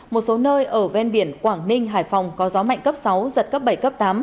một số nơi ở ven biển quảng ninh hải phòng có gió mạnh cấp sáu giật cấp bảy cấp tám